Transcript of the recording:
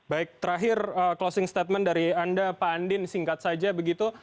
baik terakhir closing statement dari anda pak andin singkat saja begitu